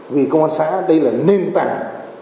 vì công an xã đây là nền tảng